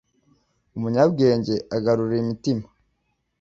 umunyabwenge agarura imitima